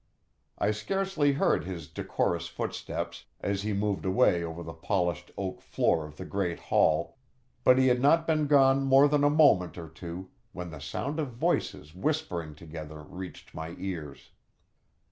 I scarcely heard his decorous footsteps, as he moved away over the polished oak floor of the great hall, but he had not been gone more than a moment or two, when the sound of voices whispering together reached my ears.